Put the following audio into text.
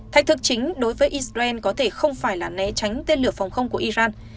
thách thức chính đối với israel có thể không phải là né tránh tên lửa phòng không của iran